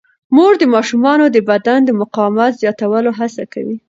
مور د ماشومانو د بدن د مقاومت زیاتولو هڅه کوي.